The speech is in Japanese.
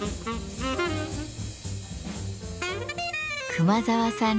熊澤さん